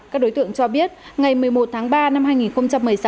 các đối tượng cho biết ngày một mươi một tháng ba năm hai nghìn một mươi sáu